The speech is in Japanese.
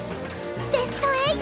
ベスト８